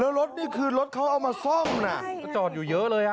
แล้วรถนี่คือรถเขาเอามาซ่อมน่ะจอดอยู่เยอะเลย